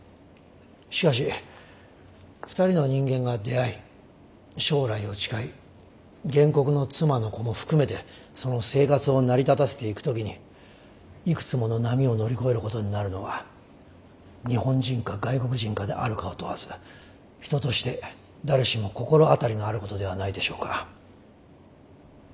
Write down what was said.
しかし２人の人間が出会い将来を誓い原告の妻の子も含めてその生活を成り立たせていく時にいくつもの波を乗り越えることになるのは日本人か外国人かであるかを問わず人として誰しも心当たりがあることではないでしょうか。